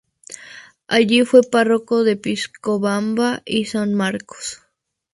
Allí fue Párroco de Piscobamba y San Marcos.